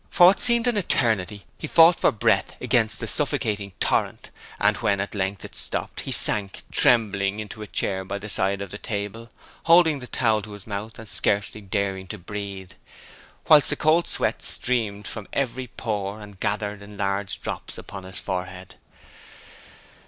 For what seemed an eternity he fought for breath against the suffocating torrent, and when at length it stopped, he sank trembling into a chair by the side of the table, holding the towel to his mouth and scarcely daring to breathe, whilst a cold sweat streamed from every pore and gathered in large drops upon his forehead.